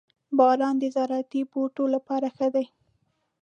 • باران د زراعتي بوټو لپاره ښه دی.